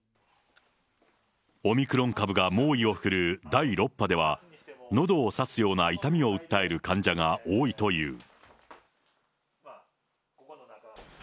オミクロン株が猛威を振るう第６波では、のどを刺すような痛みを訴える患者が多いという。